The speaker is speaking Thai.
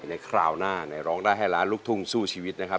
คราวหน้าในร้องได้ให้ล้านลูกทุ่งสู้ชีวิตนะครับ